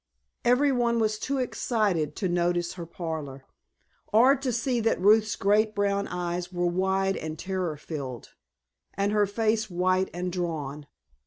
Every one was too excited to notice her pallor, or to see that Ruth's great brown eyes were wide and terror filled, and her face white and drawn.